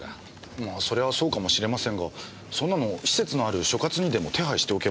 まあそれはそうかもしれませんがそんなの施設のある所轄にでも手配しておけばいいのでは？